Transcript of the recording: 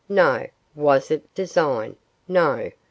No. Was it design? No.